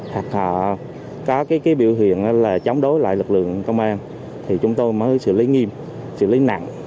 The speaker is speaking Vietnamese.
hoặc họ có cái biểu hiện là chống đối lại lực lượng công an thì chúng tôi mới xử lý nghiêm xử lý nặng